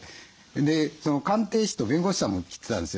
鑑定士と弁護士さんも来てたんですよ。